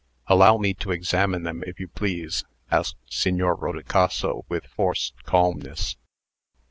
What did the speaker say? "Allow me to examine them, if you please?" asked Signor Rodicaso, with forced calmness.